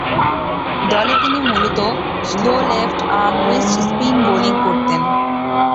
দলে তিনি মূলতঃ স্লো লেফট-আর্ম রিস্ট-স্পিন বোলিং করতেন।